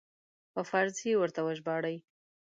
په فارسي یې ورته وژباړي.